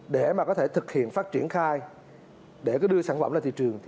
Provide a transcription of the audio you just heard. để mà có thể thực hiện phát triển khai để đưa sản phẩm ra thị trường